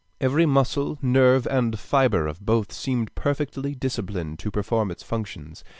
Every muscle, nerve, and fibre of both seemed perfectly disciplined to perform its functions.